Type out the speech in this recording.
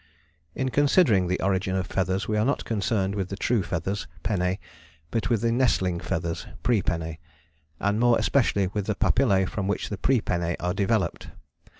"In considering the origin of feathers we are not concerned with the true feathers (pennae), but with the nestling feathers (prepennae), and more especially with the papillae from which the prepennae are developed.